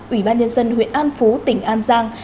ủy ban nhân dân huyện an phú tỉnh an giang